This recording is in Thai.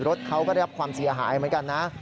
รถเขาก็ได้รับความเสียหายเหมือนกันนะ